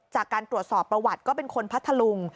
จากการตรวจสอบประวัติก็เป็นคนพัทธลุง